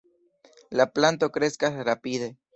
La planto kreskas rapide.